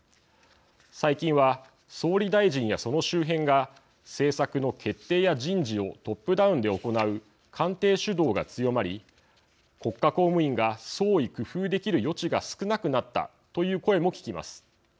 最近は、総理大臣やその周辺が政策の決定や人事をトップダウンで行う官邸主導が強まり国家公務員が創意工夫できる余地が少なくなったという声も聞きます。